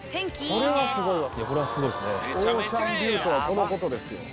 これはすごいわ！